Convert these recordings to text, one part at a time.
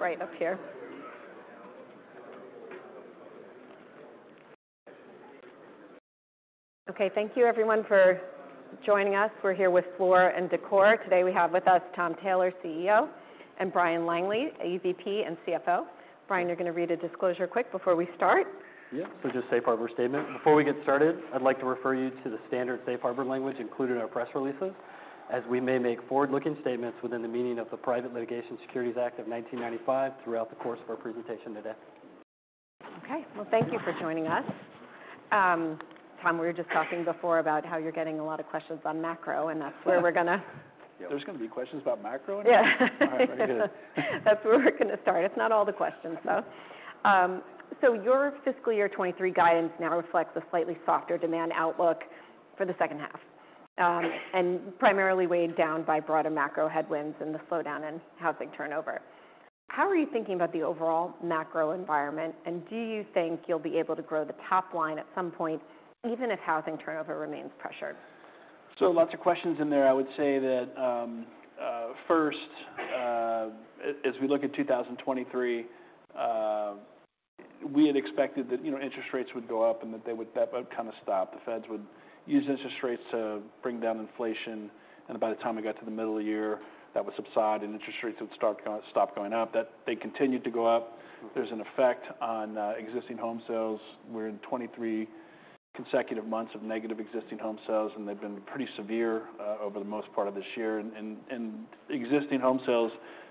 Right up here. Okay, thank you everyone for joining us. We're here with Floor & Decor. Today, we have with us Tom Taylor, CEO, and Bryan Langley, EVP and CFO. Bryan, you're going to read a disclosure quick before we start. Yeah. So, just safe harbor statement. Before we get started, I'd like to refer you to the standard safe harbor language included in our press releases, as we may make forward-looking statements within the meaning of the Private Securities Litigation Reform Act of 1995 throughout the course of our presentation today. Okay. Well, thank you for joining us. Tom, we were just talking before about how you're getting a lot of questions on macro, and that's where we're gonna- Yeah. There's gonna be questions about macro now? Yeah. All right. Very good. That's where we're gonna start. It's not all the questions, though. So your fiscal year 2023 guidance now reflects a slightly softer demand outlook for the second half, and primarily weighed down by broader macro headwinds and the slowdown in housing turnover. How are you thinking about the overall macro environment, and do you think you'll be able to grow the top line at some point, even if housing turnover remains pressured? Lots of questions in there. I would say that, first, as we look at 2023, we had expected that, you know, interest rates would go up and that they would kind of stop. The Feds would use interest rates to bring down inflation, and by the time we got to the middle of the year, that would subside, and interest rates would stop going up. That they continued to go up, there's an effect on existing home sales. We're in 23 consecutive months of negative existing home sales, and they've been pretty severe over the most part of this year. Existing home sales,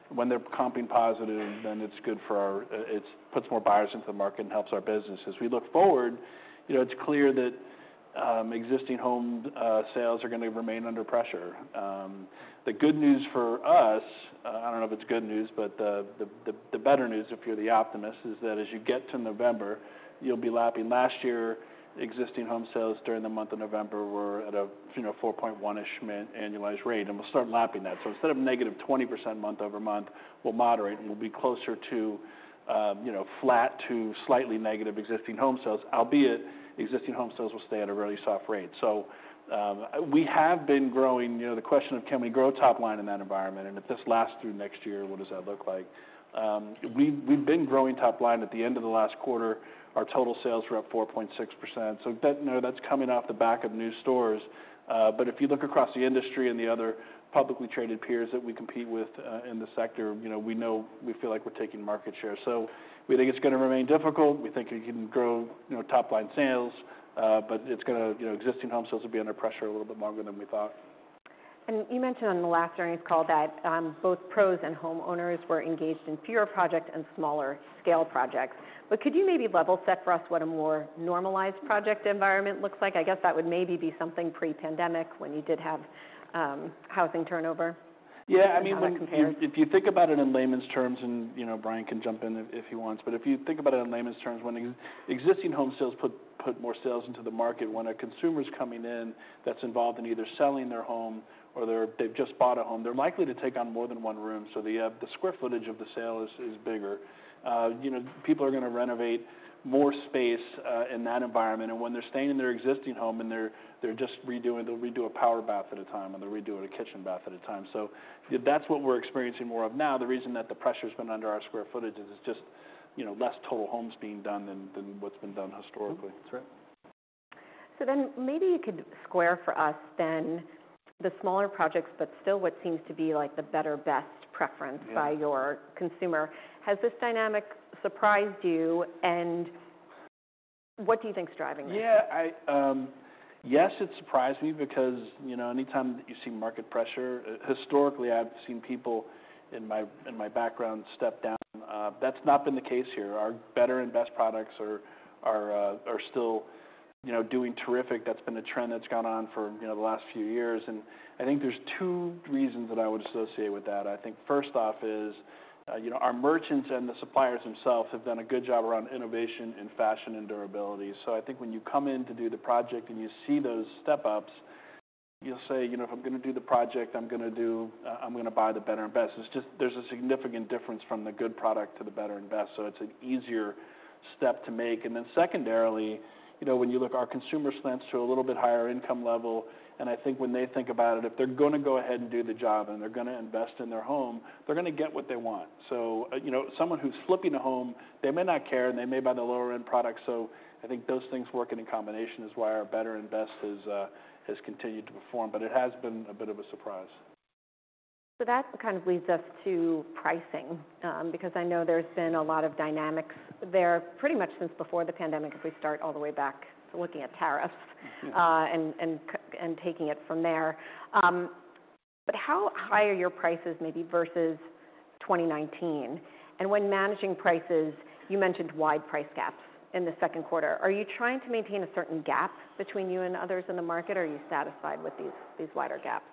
when they're comping positive, then it's good for our-- it puts more buyers into the market and helps our business. As we look forward, you know, it's clear that Existing Home Sales are going to remain under pressure. The good news for us, I don't know if it's good news, but the better news, if you're the optimist, is that as you get to November, you'll be lapping last year. Existing Home Sales during the month of November were at a, you know, 4.1-ish annualized rate, and we'll start lapping that. So instead of negative 20% month-over-month, we'll moderate, and we'll be closer to, you know, flat to slightly negative Existing Home Sales, albeit Existing Home Sales will stay at a really soft rate. So, we have been growing... You know, the question of can we grow top line in that environment, and if this lasts through next year, what does that look like? We've been growing top line. At the end of the last quarter, our total sales were up 4.6%, so that, you know, that's coming off the back of new stores. But if you look across the industry and the other publicly traded peers that we compete with, in the sector, you know, we feel like we're taking market share. So we think it's going to remain difficult. We think it can grow, you know, top line sales, but it's gonna, you know, existing home sales will be under pressure a little bit longer than we thought. You mentioned on the last earnings call that both pros and homeowners were engaged in fewer projects and smaller scale projects. Could you maybe level set for us what a more normalized project environment looks like? I guess that would maybe be something pre-pandemic when you did have housing turnover. Yeah, I mean- How that compared. If you think about it in layman's terms, you know, Bryan can jump in if he wants, but if you think about it in layman's terms, when Existing Home Sales put more sales into the market, when a consumer's coming in that's involved in either selling their home or they've just bought a home, they're likely to take on more than one room, so the square footage of the sale is bigger. You know, people are going to renovate more space in that environment, and when they're staying in their existing home and they're just redoing, they'll redo a powder bath at a time, or they'll redo a kitchen bath at a time. So that's what we're experiencing more of now. The reason that the pressure's been under our square footage is just, you know, less total homes being done than what's been done historically. Mm-hmm. That's right. Maybe you could square for us the smaller projects, but still what seems to be like the better, best preference? Yeah... by your consumer. Has this dynamic surprised you, and what do you think is driving it? Yeah. Yes, it surprised me because, you know, anytime that you see market pressure, historically, I've seen people in my, in my background step down. That's not been the case here. Our better and best products are still, you know, doing terrific. That's been the trend that's gone on for, you know, the last few years, and I think there's two reasons that I would associate with that. I think first off is, you know, our merchants and the suppliers themselves have done a good job around innovation and fashion and durability. So I think when you come in to do the project and you see those step-ups, you'll say: "You know, if I'm going to do the project, I'm going to buy the better best." It's just there's a significant difference from the good product to the better and best, so it's an easier step to make. And then secondarily, you know, when you look, our consumer slants to a little bit higher income level, and I think when they think about it, if they're going to go ahead and do the job and they're going to invest in their home, they're going to get what they want. So, you know, someone who's flipping a home, they may not care, and they may buy the lower-end product. I think those things working in combination is why our better and best has continued to perform, but it has been a bit of a surprise. So that kind of leads us to pricing, because I know there's been a lot of dynamics there pretty much since before the pandemic, if we start all the way back, looking at tariffs- Mm-hmm... and taking it from there. But how high are your prices maybe versus 2019? And when managing prices, you mentioned wide price gaps in the second quarter. Are you trying to maintain a certain gap between you and others in the market, or are you satisfied with these wider gaps?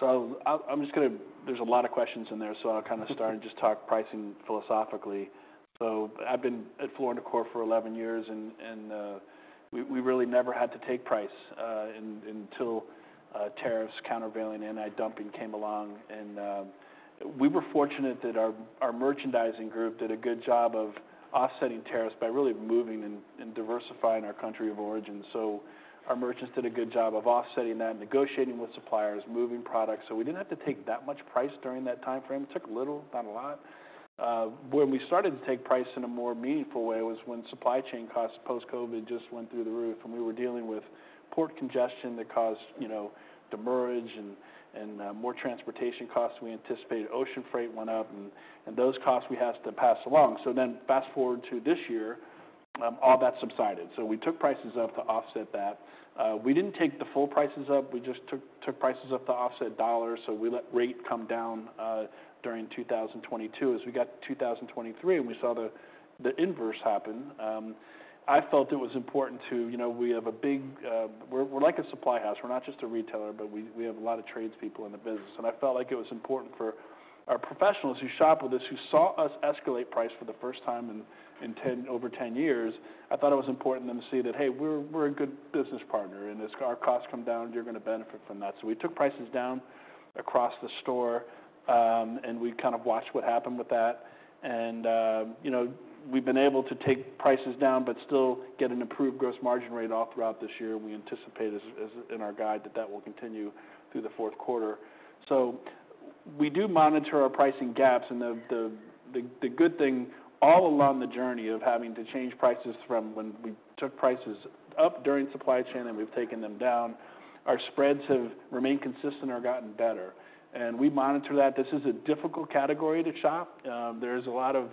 So I'm just gonna... There's a lot of questions in there, so I'll kind of... and just talk pricing philosophically. So I've been at Floor & Decor for 11 years, and we really never had to take price until tariffs, countervailing, anti-dumping came along. And we were fortunate that our merchandising group did a good job of offsetting tariffs by really moving and diversifying our country of origin. So our merchants did a good job of offsetting that, negotiating with suppliers, moving products. So we didn't have to take that much price during that timeframe. It took a little, not a lot. When we started to take price in a more meaningful way was when supply chain costs, post-COVID, just went through the roof, and we were dealing with port congestion that caused, you know, demurrage and more transportation costs than we anticipated. Ocean freight went up, and those costs we had to pass along. So then fast-forward to this year, all that subsided. So we took prices up to offset that. We didn't take the full prices up, we just took prices up to offset dollars, so we let rate come down during 2022. As we got to 2023, and we saw the inverse happen, I felt it was important to. You know, we have a big. We're like a supply house. We're not just a retailer, but we have a lot of tradespeople in the business, and I felt like it was important for our professionals who shop with us, who saw us escalate price for the first time in over 10 years. I thought it was important then to see that, hey, we're a good business partner, and as our costs come down, you're going to benefit from that. So we took prices down across the store, and we kind of watched what happened with that. And, you know, we've been able to take prices down, but still get an improved gross margin rate all throughout this year, and we anticipate as in our guide, that that will continue through the fourth quarter. So we do monitor our pricing gaps, and the good thing all along the journey of having to change prices from when we took prices up during supply chain and we've taken them down, our spreads have remained consistent or gotten better, and we monitor that. This is a difficult category to shop. There's a lot of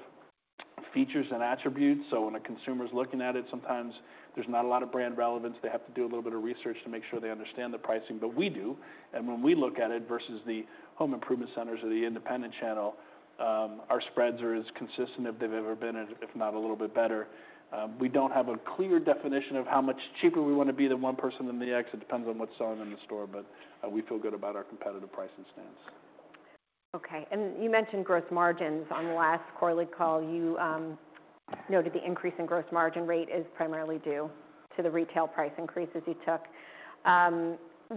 features and attributes, so when a consumer's looking at it, sometimes there's not a lot of brand relevance. They have to do a little bit of research to make sure they understand the pricing. But we do, and when we look at it versus the home improvement centers or the independent channel, our spreads are as consistent as they've ever been, if not a little bit better. We don't have a clear definition of how much cheaper we want to be than one person in the X. It depends on what's selling in the store, but, we feel good about our competitive pricing stance. Okay, and you mentioned gross margins. On the last quarterly call, you noted the increase in gross margin rate is primarily due to the retail price increases you took.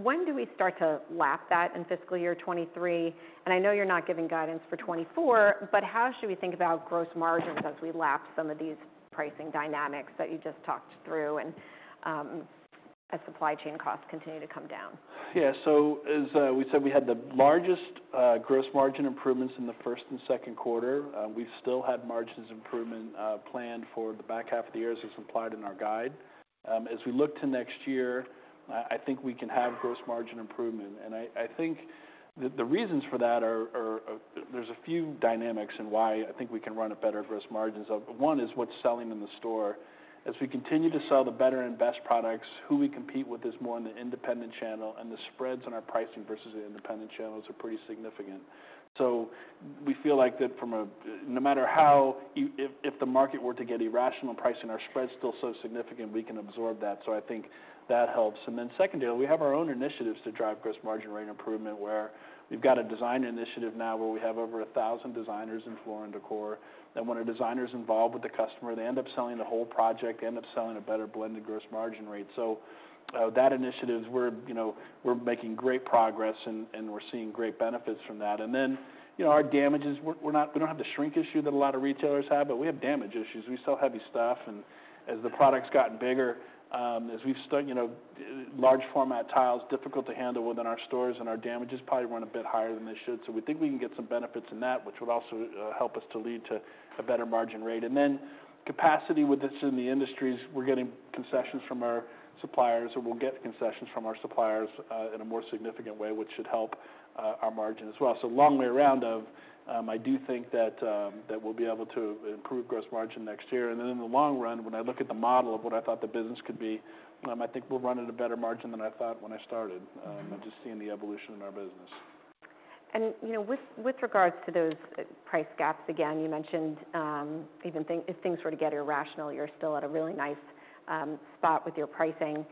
When do we start to lap that in fiscal year 2023? And I know you're not giving guidance for 2024, but how should we think about gross margins as we lap some of these pricing dynamics that you just talked through and as supply chain costs continue to come down? Yeah. So as we said, we had the largest gross margin improvements in the first and second quarter. We still had margins improvement planned for the back half of the year, as was implied in our guide. As we look to next year, I think we can have gross margin improvement, and I think the reasons for that are... There's a few dynamics in why I think we can run a better gross margins of. One, is what's selling in the store. As we continue to sell the better and best products, who we compete with is more in the independent channel, and the spreads in our pricing versus the independent channels are pretty significant. So we feel like, no matter if the market were to get irrational, our pricing spread is still so significant we can absorb that. So I think that helps. And then secondly, we have our own initiatives to drive gross margin rate improvement, where we've got a design initiative now where we have over 1,000 designers in Floor & Decor. And when a designer is involved with the customer, they end up selling the whole project, they end up selling a better blend of gross margin rate. So that initiative, you know, we're making great progress, and we're seeing great benefits from that. And then, you know, our damages, we're not-- We don't have the shrink issue that a lot of retailers have, but we have damage issues. We sell heavy stuff, and as the product's gotten bigger, as we've stocked, you know, large format tiles, difficult to handle within our stores, and our damages probably run a bit higher than they should. So we think we can get some benefits in that, which would also help us to lead to a better margin rate. And then capacity with this in the industries, we're getting concessions from our suppliers, or we'll get concessions from our suppliers, in a more significant way, which should help our margin as well. So long way around of, I do think that that we'll be able to improve gross margin next year. And then in the long run, when I look at the model of what I thought the business could be, I think we'll run at a better margin than I thought when I started, just seeing the evolution in our business. You know, with regards to those price gaps, again, you mentioned, even if things were to get irrational, you're still at a really nice spot with your pricing.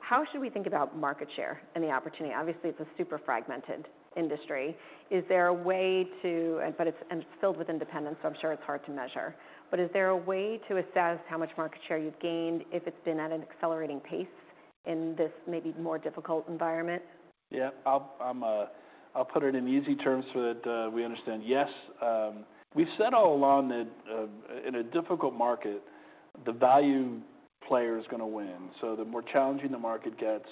How should we think about market share and the opportunity? Obviously, it's a super fragmented industry. Is there a way to... But it's, and it's filled with independents, so I'm sure it's hard to measure. But is there a way to assess how much market share you've gained, if it's been at an accelerating pace in this maybe more difficult environment? Yeah. I'll put it in easy terms so that we understand. Yes, we've said all along that in a difficult market, the value player is gonna win. So the more challenging the market gets,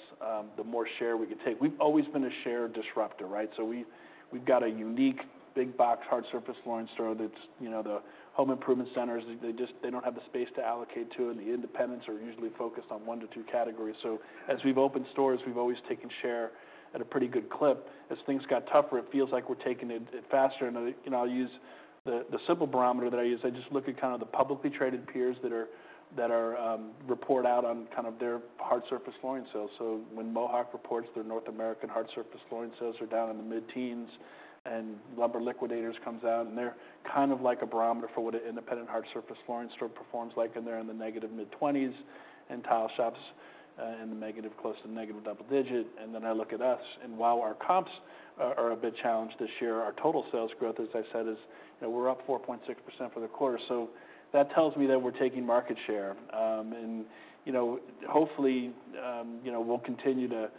the more share we can take. We've always been a share disruptor, right? So we've got a unique big box, hard surface flooring store that's, you know, the home improvement centers, they just, they don't have the space to allocate to, and the independents are usually focused on one to two categories. So as we've opened stores, we've always taken share at a pretty good clip. As things got tougher, it feels like we're taking it faster. And, you know, I'll use the simple barometer that I use. I just look at kind of the publicly traded peers that are that are report out on kind of their hard surface flooring sales. So when Mohawk reports their North American hard surface flooring sales are down in the mid-teens, and Lumber Liquidators comes out, and they're kind of like a barometer for what an independent hard surface flooring store performs like, and they're in the negative mid-twenties, and Tile Shop in the negative, close to negative double digit. And then I look at us, and while our comps are are a bit challenged this year, our total sales growth, as I said, is, you know, we're up 4.6% for the quarter. So that tells me that we're taking market share. And, you know, hopefully, you know, we'll continue to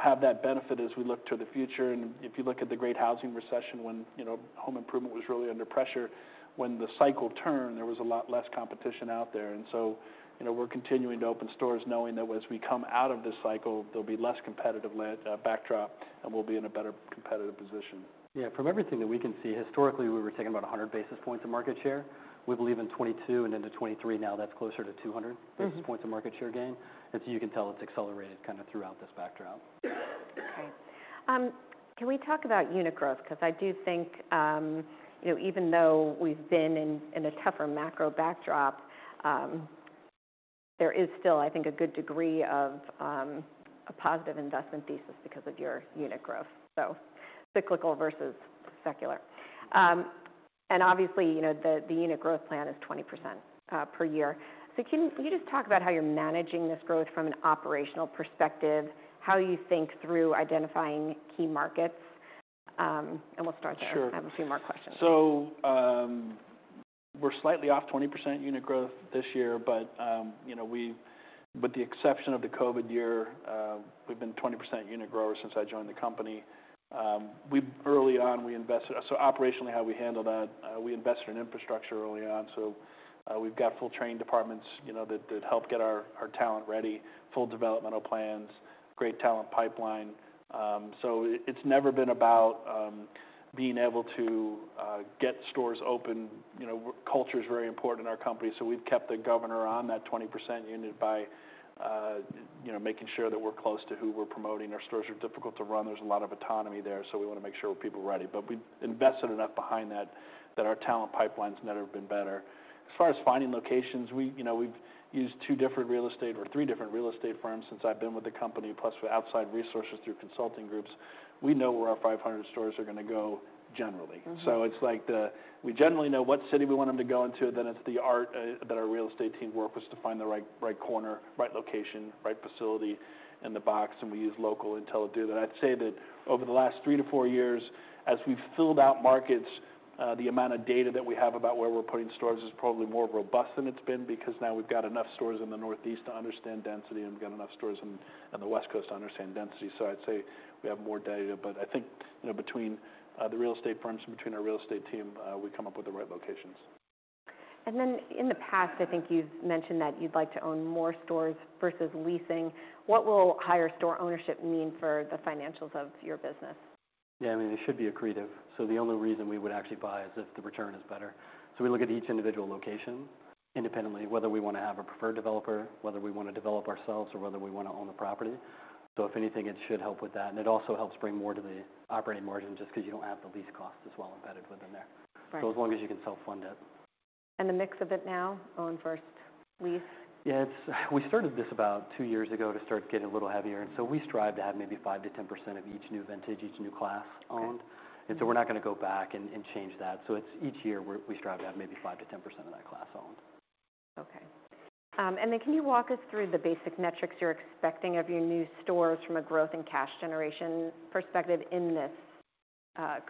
have that benefit as we look to the future. If you look at the great housing recession, when, you know, home improvement was really under pressure, when the cycle turned, there was a lot less competition out there. And so, you know, we're continuing to open stores, knowing that as we come out of this cycle, there'll be less competitive land, backdrop, and we'll be in a better competitive position. Yeah, from everything that we can see, historically, we were taking about 100 basis points of market share. We believe in 2022 and into 2023. Now that's closer to 200- Mm-hmm basis points of market share gain. As you can tell, it's accelerated kind of throughout this backdrop. Okay. Can we talk about unit growth? Because I do think, you know, even though we've been in, in a tougher macro backdrop, there is still, I think, a good degree of, a positive investment thesis because of your unit growth, so cyclical versus secular. And obviously, you know, the, the unit growth plan is 20%, per year. So can you just talk about how you're managing this growth from an operational perspective, how you think through identifying key markets? And we'll start there. Sure. I have a few more questions. So, we're slightly off 20% unit growth this year, but, you know, we, with the exception of the COVID year, we've been 20% unit grower since I joined the company. So operationally, how we handle that, we invested in infrastructure early on, so, we've got full training departments, you know, that help get our talent ready, full developmental plans, great talent pipeline. So it's never been about being able to get stores open. You know, culture is very important in our company, so we've kept the governor on that 20% unit by, you know, making sure that we're close to who we're promoting. Our stores are difficult to run. There's a lot of autonomy there, so we want to make sure we're people ready. But we've invested enough behind that, that our talent pipeline's never been better. As far as finding locations, we, you know, we've used two different real estate or three different real estate firms since I've been with the company, plus outside resources through consulting groups. We know where our 500 stores are going to go, generally. Mm-hmm. So it's like the, we generally know what city we want them to go into. Then it's the art that our real estate team work with, to find the right, right corner, right location, right facility in the box, and we use local intel to do that. I'd say that over the last 3-4 years, as we've filled out markets, the amount of data that we have about where we're putting stores is probably more robust than it's been, because now we've got enough stores in the Northeast to understand density, and we've got enough stores on the West Coast to understand density. So I'd say we have more data, but I think, you know, between the real estate firms and between our real estate team, we come up with the right locations. And then, in the past, I think you've mentioned that you'd like to own more stores versus leasing. What will higher store ownership mean for the financials of your business? Yeah, I mean, it should be accretive, so the only reason we would actually buy is if the return is better. So we look at each individual location independently, whether we want to have a preferred developer, whether we want to develop ourselves, or whether we want to own the property. So if anything, it should help with that. And it also helps bring more to the operating margin, just because you don't have the lease costs as well embedded within there. Right. As long as you can self-fund it. And the mix of it now, own first, lease? Yeah, it's we started this about two years ago to start getting a little heavier, and so we strive to have maybe 5%-10% of each new vintage, each new class owned. Okay. And so we're not going to go back and change that. So it's each year, we strive to have maybe 5%-10% of that class owned. Okay. And then can you walk us through the basic metrics you're expecting of your new stores from a growth and cash generation perspective in this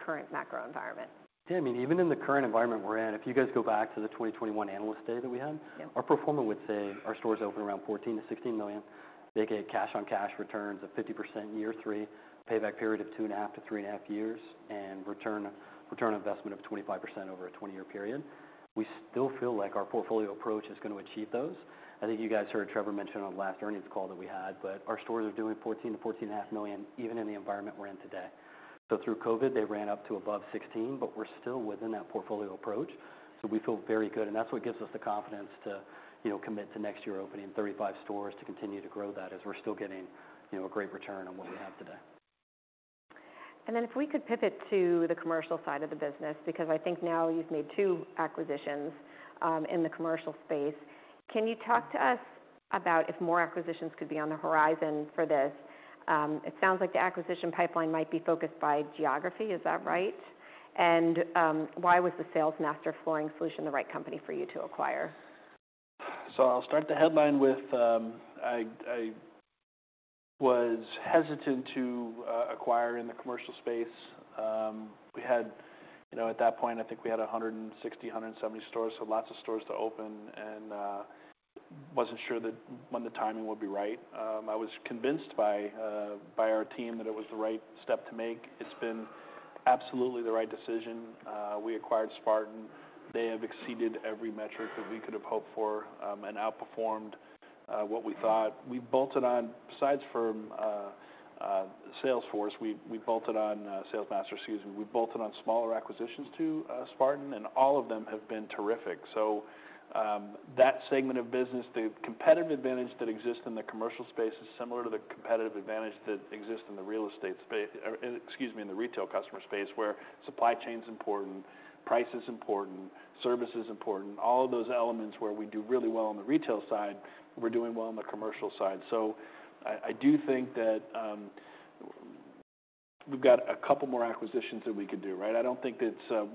current macro environment? Yeah, I mean, even in the current environment we're in, if you guys go back to the 2021 Analyst Day that we had- Yeah... our pro forma would say our stores open around $14-$16 million. They get cash-on-cash returns of 50% in year 3, payback period of 2.5-3.5 years, and return on investment of 25% over a 20-year period. We still feel like our portfolio approach is going to achieve those. I think you guys heard Trevor mention on the last earnings call that we had, but our stores are doing $14-$14.5 million, even in the environment we're in today. So through COVID, they ran up to above $16 million, but we're still within that portfolio approach, so we feel very good. And that's what gives us the confidence to, you know, commit to next year, opening 35 stores, to continue to grow that, as we're still getting a great return on what we have today. Then if we could pivot to the commercial side of the business, because I think now you've made two acquisitions in the commercial space. Can you talk to us about if more acquisitions could be on the horizon for this? It sounds like the acquisition pipeline might be focused by geography. Is that right? And why was the Salesmaster Flooring Solutions the right company for you to acquire? I'll start the headline with, I was hesitant to acquire in the commercial space. We had, you know, at that point, I think we had 160, 170 stores, so lots of stores to open and wasn't sure when the timing would be right. I was convinced by our team that it was the right step to make. It's been absolutely the right decision. We acquired Spartan. They have exceeded every metric that we could have hoped for and outperformed what we thought. We bolted on, besides from Salesforce, we bolted on Salesmaster, excuse me, we bolted on smaller acquisitions to Spartan, and all of them have been terrific. So, that segment of business, the competitive advantage that exists in the commercial space, is similar to the competitive advantage that exists in the retail customer space, where supply chain's important, price is important, service is important. All of those elements where we do really well on the retail side, we're doing well on the commercial side. So I do think that. We've got a couple more acquisitions that we could do, right? I don't think it's,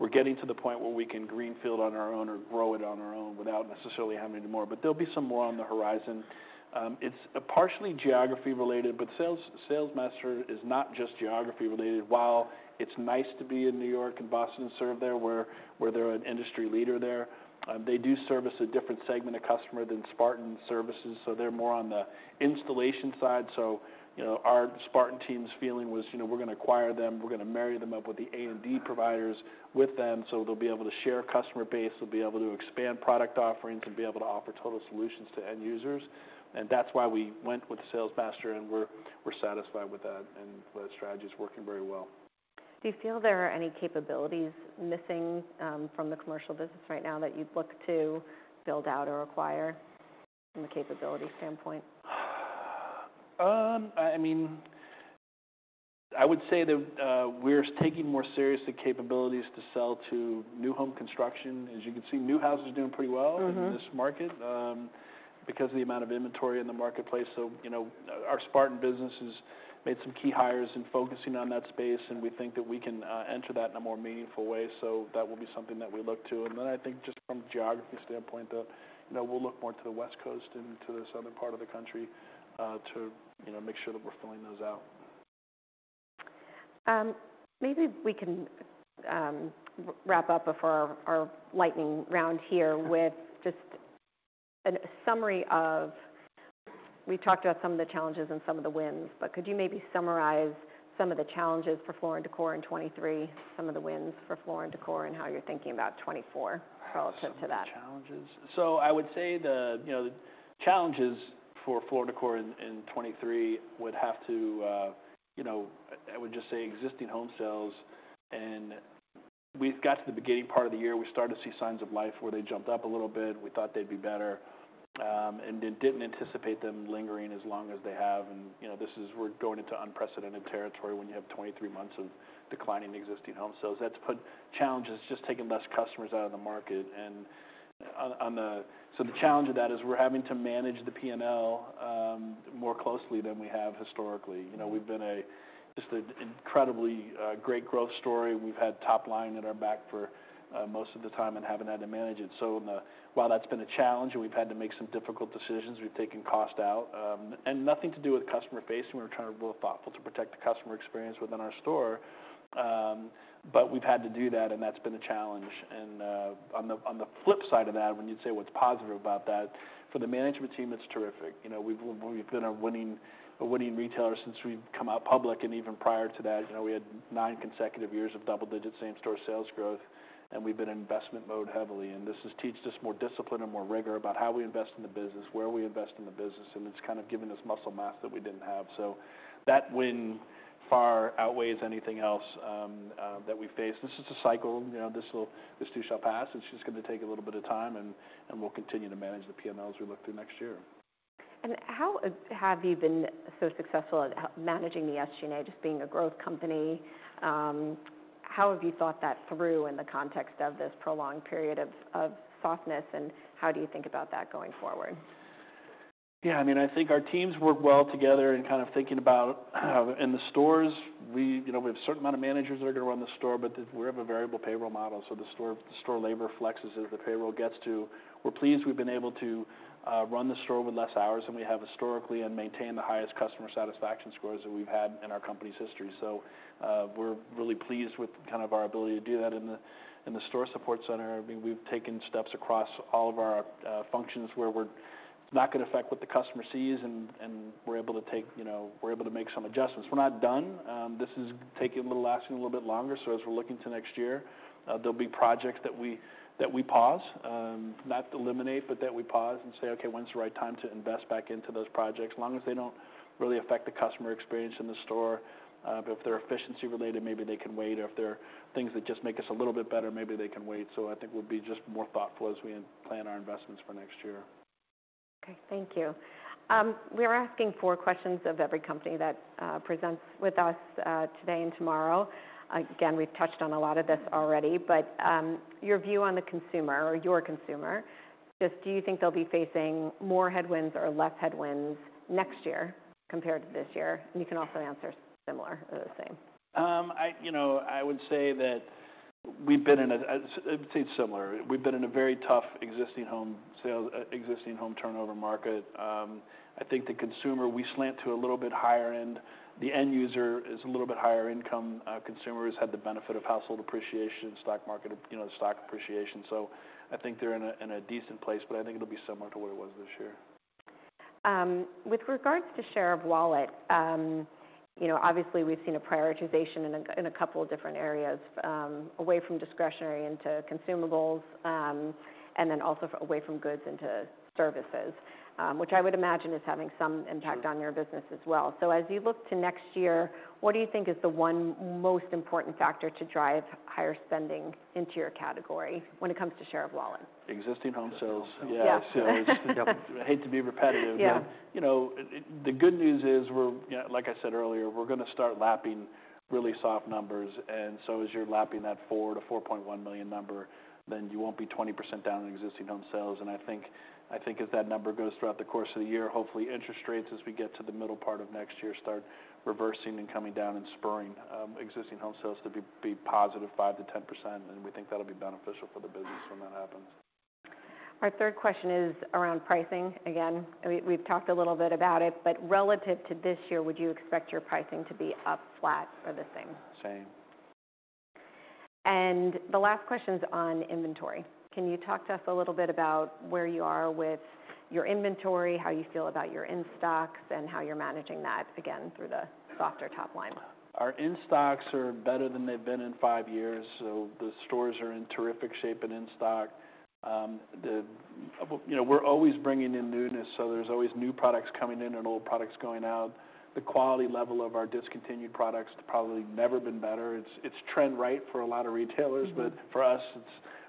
we're getting to the point where we can greenfield on our own or grow it on our own without necessarily having any more, but there'll be some more on the horizon. It's partially geography-related, but Salesmaster is not just geography-related. While it's nice to be in New York and Boston and serve there, where they're an industry leader there, they do service a different segment of customer than Spartan services, so they're more on the installation side. So, you know, our Spartan team's feeling was, you know, we're gonna acquire them, we're gonna marry them up with the A&D providers with them, so they'll be able to share a customer base, we'll be able to expand product offerings and be able to offer total solutions to end users. And that's why we went with Salesmaster, and we're satisfied with that, and the strategy is working very well. Do you feel there are any capabilities missing, from the commercial business right now that you'd look to build out or acquire from a capability standpoint? I mean, I would say that we're taking more seriously capabilities to sell to new home construction. As you can see, new houses are doing pretty well. Mm-hmm... in this market, because of the amount of inventory in the marketplace. So, you know, our Spartan business has made some key hires in focusing on that space, and we think that we can enter that in a more meaningful way. So that will be something that we look to. And then I think just from a geography standpoint, you know, we'll look more to the West Coast and to the southern part of the country, to, you know, make sure that we're filling those out. Maybe we can wrap up before our lightning round here with just a summary of... We talked about some of the challenges and some of the wins, but could you maybe summarize some of the challenges for Floor & Decor in 2023, some of the wins for Floor & Decor, and how you're thinking about 2024 relative to that? Some of the challenges? So I would say, you know, challenges for Floor & Decor in 2023 would have to, you know, I would just say existing home sales. And we've got to the beginning part of the year, we started to see signs of life, where they jumped up a little bit. We thought they'd be better, and then didn't anticipate them lingering as long as they have. And, you know, this is, we're going into unprecedented territory when you have 23 months of declining existing home sales. That's put challenges, it's just taking less customers out of the market. So the challenge of that is we're having to manage the P&L more closely than we have historically. You know, we've been just an incredibly great growth story. We've had top line at our back for most of the time and haven't had to manage it. So while that's been a challenge, and we've had to make some difficult decisions, we've taken cost out. And nothing to do with customer facing. We're trying to be really thoughtful to protect the customer experience within our store. But we've had to do that, and that's been a challenge. And on the flip side of that, when you'd say what's positive about that, for the management team, that's terrific. You know, we've been a winning retailer since we've come out public, and even prior to that, you know, we had nine consecutive years of double-digit same-store sales growth, and we've been in investment mode heavily. This has taught us more discipline and more rigor about how we invest in the business, where we invest in the business, and it's kind of given us muscle mass that we didn't have. So that win far outweighs anything else that we face. This is a cycle. You know, this too shall pass. It's just gonna take a little bit of time, and we'll continue to manage the PNLs we look to next year. How have you been so successful at managing the SG&A, just being a growth company? How have you thought that through in the context of this prolonged period of softness, and how do you think about that going forward? Yeah, I mean, I think our teams work well together in kind of thinking about, in the stores, we, you know, we have a certain amount of managers that are going to run the store, but we have a variable payroll model, so the store labor flexes as the payroll gets to. We're pleased we've been able to run the store with less hours than we have historically and maintain the highest customer satisfaction scores that we've had in our company's history. So, we're really pleased with kind of our ability to do that. In the store support center, I mean, we've taken steps across all of our functions, where we're not gonna affect what the customer sees, and we're able to take—you know, we're able to make some adjustments. We're not done. This is lasting a little bit longer. So as we're looking to next year, there'll be projects that we pause, not eliminate, but that we pause and say: "Okay, when's the right time to invest back into those projects?" As long as they don't really affect the customer experience in the store, but if they're efficiency-related, maybe they can wait, or if they're things that just make us a little bit better, maybe they can wait. So I think we'll be just more thoughtful as we plan our investments for next year. Okay, thank you. We're asking four questions of every company that presents with us today and tomorrow. Again, we've touched on a lot of this already, but your view on the consumer or your consumer, just do you think they'll be facing more headwinds or less headwinds next year compared to this year? And you can also answer similar or the same. You know, I would say that we've been in a—I'd say similar. We've been in a very tough existing home sales, existing home turnover market. I think the consumer, we slant to a little bit higher, and the end user is a little bit higher income. Consumers had the benefit of household appreciation, stock market, you know, stock appreciation. So I think they're in a, in a decent place, but I think it'll be similar to what it was this year. With regards to share of wallet, you know, obviously we've seen a prioritization in a, in a couple of different areas, away from discretionary into consumables, and then also away from goods into services, which I would imagine is having some impact on your business as well. So as you look to next year, what do you think is the one most important factor to drive higher spending into your category when it comes to share of wallet? Existing Home Sales. Yeah. Sales. Yep. I hate to be repetitive. Yeah. You know, the good news is, we're... You know, like I said earlier, we're gonna start lapping really soft numbers, and so as you're lapping that $4-4.1 million number, then you won't be 20% down in existing home sales. And I think, I think as that number goes throughout the course of the year, hopefully interest rates, as we get to the middle part of next year, start reversing and coming down and spurring, existing home sales to be, be positive 5%-10%, and we think that'll be beneficial for the business when that happens. Our third question is around pricing. Again, we, we've talked a little bit about it, but relative to this year, would you expect your pricing to be up, flat, or the same? Same. The last question is on inventory. Can you talk to us a little bit about where you are with your inventory, how you feel about your in-stocks, and how you're managing that, again, through the softer top line? Our in-stocks are better than they've been in five years, so the stores are in terrific shape and in stock. You know, we're always bringing in newness, so there's always new products coming in and old products going out. The quality level of our discontinued products probably never been better. It's trend right for a lot of retailers- Mm-hmm... but for us, it's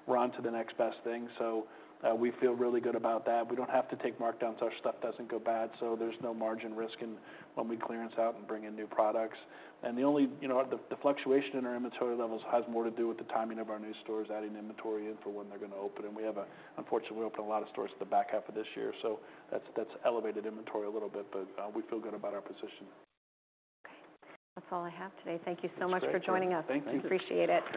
we're on to the next best thing, so, we feel really good about that. We don't have to take markdowns, so our stuff doesn't go bad, so there's no margin risk in when we clearance out and bring in new products. And the only... You know, the fluctuation in our inventory levels has more to do with the timing of our new stores adding inventory in for when they're gonna open. And we have a -- unfortunately, we opened a lot of stores at the back half of this year, so that's elevated inventory a little bit, but, we feel good about our position. Okay. That's all I have today. Thank you so much for joining us. Thank you. We appreciate it.